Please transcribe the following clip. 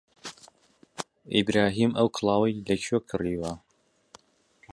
ئیبراهیم ئەو کڵاوەی لەکوێ کڕیوە؟